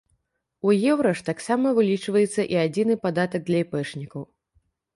У еўра ж таксама вылічваецца і адзіны падатак для іпэшнікаў.